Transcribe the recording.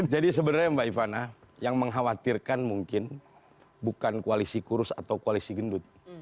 jadi sebenarnya mbak ivana yang mengkhawatirkan mungkin bukan kualisi kurus atau kualisi kurus